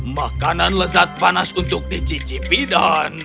makanan lezat panas untuk dicicipi dan